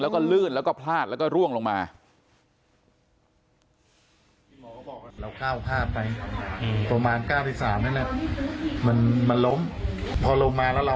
แล้วก็ลื่นแล้วก็พลาดแล้วก็ร่วงลงมา